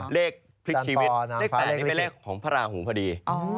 พลิกชีวิตเลข๘นี้เป็นเลขของพระราหูพอดี